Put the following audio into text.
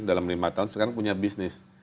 dalam lima tahun sekarang punya bisnis